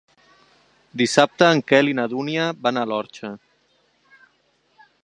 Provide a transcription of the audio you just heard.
Dissabte en Quel i na Dúnia van a l'Orxa.